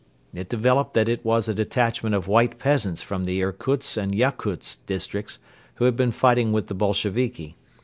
It developed that it was a detachment of White peasants from the Irkutsk and Yakutsk districts who had been fighting with the Bolsheviki.